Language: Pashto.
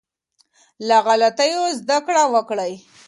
له غلطيو زده کړه وکړئ.